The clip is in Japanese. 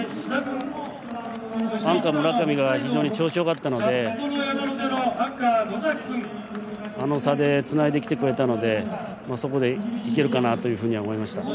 アンカーの村上が非常に調子がよかったのであの差でつないできてくれたのでそこで、いけるかなと思いました。